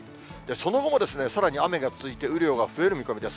その後もさらに雨が続いて、雨量が増える見込みです。